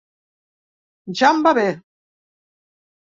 Ja em va bé!